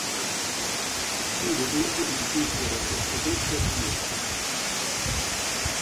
Decide dunque di insistere ed essere ammesso.